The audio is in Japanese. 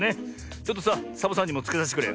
ちょっとさサボさんにもつけさせてくれよ。